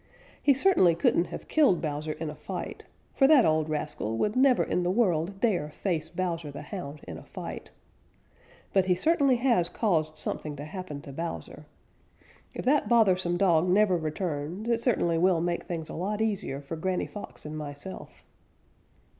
"He certainly couldn't have killed Bowser in a fight, for that old rascal would never in the world dare face Bowser the Hound in a fight. But he certainly has caused something to happen to Bowser. If that bothersome dog never returns, it certainly will make things a lot easier for Granny Fox and myself."